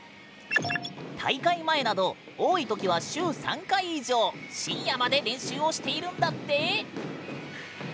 大会前など多い時は週３回以上深夜まで練習をしているんだって。